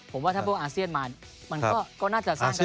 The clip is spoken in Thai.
ผมว่าถ้าพวกอาเซียนมามันก็น่าจะสร้างได้